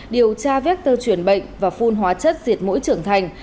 điều tra vector chuyển bệnh và phun hóa chất diệt mũi trưởng thành